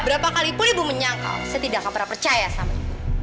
berapa kalipun ibu menyangkal saya tidak akan pernah percaya sama ibu